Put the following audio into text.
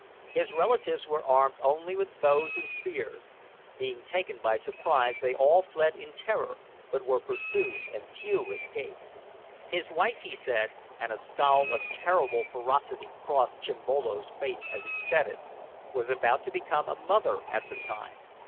His relatives were armed only with bows and spears. Being taken by surprise, they all fled in terror, but were pursued and few escaped. His wife, he said and a scowl of terrible ferocity crossed Chimbolo's face as he said it was about to become a mother at the time.